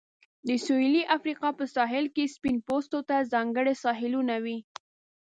د سویلي افریقا په ساحل کې سپین پوستو ته ځانګړي ساحلونه وې.